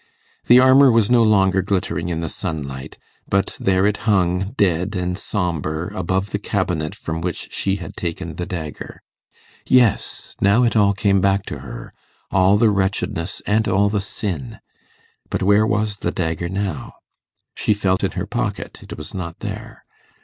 The armour was no longer glittering in the sunlight, but there it hung dead and sombre above the cabinet from which she had taken the dagger. Yes! now it all came back to her all the wretchedness and all the sin. But where was the dagger now? She felt in her pocket; it was not there.